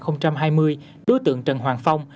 năm hai nghìn hai mươi đối tượng trần hoàng phong